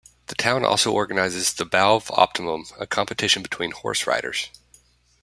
The town also organizes the Balve Optimum, a competition between horse riders.